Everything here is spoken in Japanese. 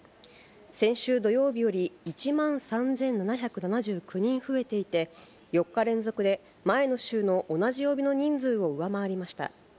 先週土曜日より１万３７７９人増えていて、４日連続で、前の週の同じ曜日の人数を上回りました。